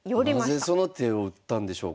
なぜその手を打ったんでしょうか。